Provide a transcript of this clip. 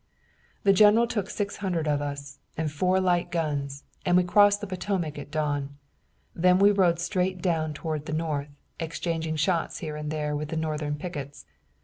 "The general took six hundred of us, and four light guns, and we crossed the Potomac at dawn. Then we rode straight toward the north, exchanging shots here and there with Northern pickets.